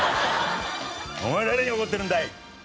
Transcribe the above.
お前は誰に怒ってるんだい？